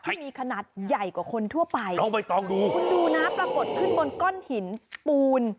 ที่มีขนาดใหญ่กว่าคนทั่วไปคุณดูนะปรากฏขึ้นบนก้อนหินปูน